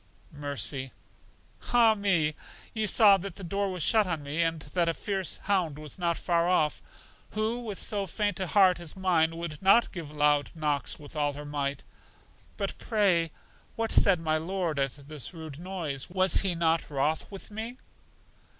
Mercy: Ah me! You saw that the door was shut on me, and that a fierce hound was not far off. Who, with so faint a heart as mine, would not give loud knocks with all her might? But, pray, what said my Lord at this rude noise? Was He not wroth with me?